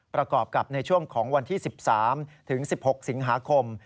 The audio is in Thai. ประกอบกับในช่วงของวันที่๑๓ถึง๑๖สิงหาคม